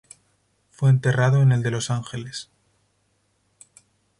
Fue enterrado en el de Los Ángeles.